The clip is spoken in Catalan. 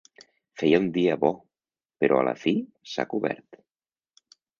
Feia un dia bo, però a la fi s'ha cobert.